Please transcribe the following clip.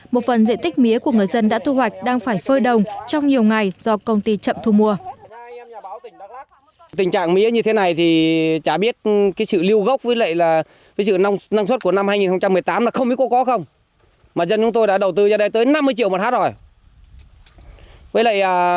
một phần diện tích mía của người dân đã thu hoạch đang phải phơi đồng trong nhiều ngày do công ty chậm thu mua